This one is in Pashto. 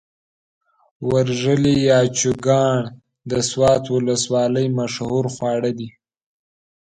ورژلي يا چوکاڼ د سوات ولسوالۍ مشهور خواړه دي.